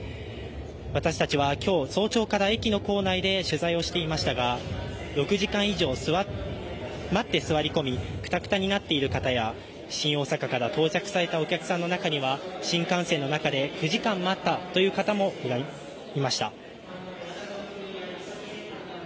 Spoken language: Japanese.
私たちは今日、早朝から駅の構内で取材していましたが６時間以上待って座り込みくたくたになっている方や、新大阪駅から到着されたお客さんの中では新幹線の中で９時間待ったという方もいました。